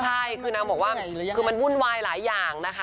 ใช่คือนางบอกว่าคือมันวุ่นวายหลายอย่างนะคะ